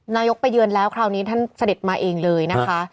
นายกไปเยือนแล้วคราวนี้ท่านเสด็จมาเองเลยนะคะ